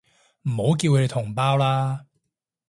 唔好叫佢哋同胞啦